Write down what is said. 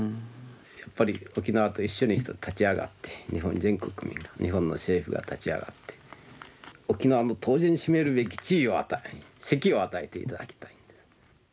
やっぱり沖縄と一緒に立ち上がって日本全国民が日本の政府が立ち上がって沖縄の当然占めるべき地位を与え席を与えて頂きたい。